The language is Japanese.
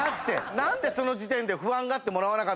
なんでその時点で不安がってもらわなかったんだ。